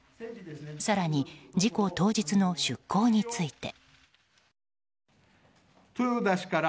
更に、事故当日の出航について。